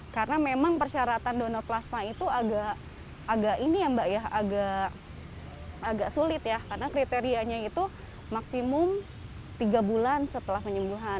karena memang persyaratan donor plasma itu agak sulit ya karena kriterianya itu maksimum tiga bulan setelah menyembuhan